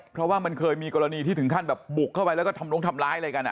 เพราะว่ามันเคยมีกรณีที่ถึงขั้นแบบบุกเข้าไปแล้วก็ทำลงทำร้ายอะไรกัน